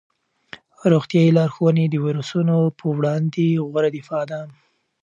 روغتیايي لارښوونې د ویروسونو په وړاندې غوره دفاع ده.